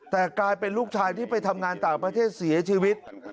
แต่กลายเป็นลูกชายที่ไปทำงานต่างประเทศเสียชีวิต